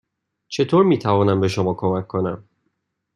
چطور می توانم به شما کمک کنم؟